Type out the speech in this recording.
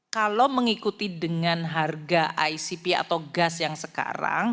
kalau mengikuti dengan harga icp atau gas yang sekarang